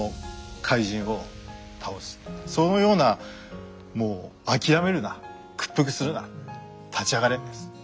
そのようなもう諦めるな屈服するな立ち上がれです。